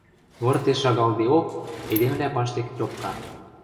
Выртеш шагалдеок, эдемвлӓ паштек тьопка.